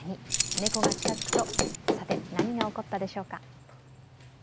猫が近づくと、さて、何が起こったでしょうか？